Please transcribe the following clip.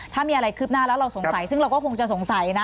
ถ้ามีอะไรคืบหน้าแล้วเราสงสัยซึ่งเราก็คงจะสงสัยนะ